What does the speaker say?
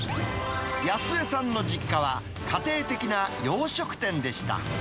安江さんの実家は、家庭的な洋食店でした。